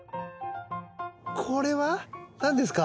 これは何ですか？